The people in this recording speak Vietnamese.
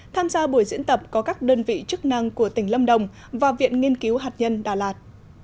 tham gia buổi diễn tập có các đơn vị chức năng của tỉnh lâm đồng và viện nghiên cứu hạt nhân đà lạt